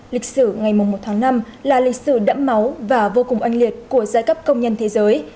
lịch sử ngày một tháng năm là lịch sử đẫm máu và vô cùng oanh liệt của giai cấp công nhân thế giới